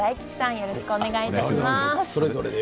よろしくお願いします。